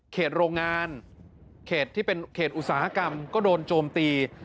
โรงงานเขตที่เป็นเขตอุตสาหกรรมก็โดนโจมตี